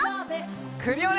クリオネ！